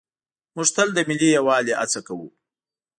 موږ تل د ملي یووالي هڅه کوو.